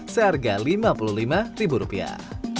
seharga lima puluh lima ribu rupiah